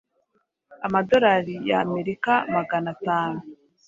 amadolari ya america magana tanu,